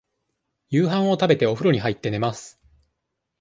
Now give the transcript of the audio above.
夕飯を食べて、おふろに入って、寝ます。